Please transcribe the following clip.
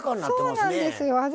そうなんですよ。